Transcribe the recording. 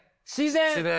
自然。